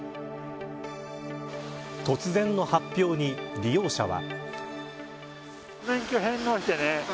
突然の発表に利用者は。